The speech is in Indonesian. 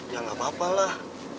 ya nggak apa apa lah